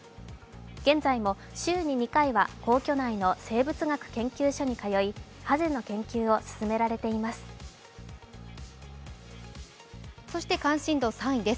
現在も週に２回は皇居内の生物学研究所に通い、ハゼの研究を進められています。